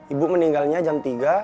ibu meninggalnya jam tiga